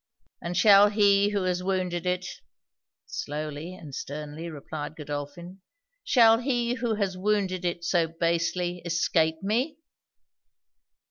'And shall he who has wounded it,' slowly and sternly replied Godolphin 'shall he who has wounded it so basely, escape me?'